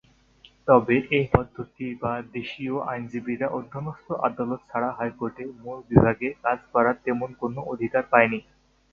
তবে এ পদ্ধতি বা নিয়ে দেশীয় আইনজীবীরা অধস্তন আদালত ছাড়া হাইকোর্টে মূল বিভাগে কাজ করার তেমন কোনো অধিকার পায়নি।